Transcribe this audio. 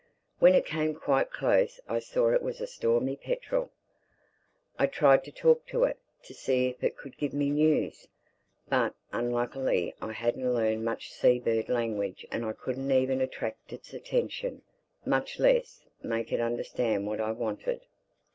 When it came quite close I saw it was a Stormy Petrel. I tried to talk to it, to see if it could give me news. But unluckily I hadn't learned much seabird language and I couldn't even attract its attention, much less make it understand what I wanted.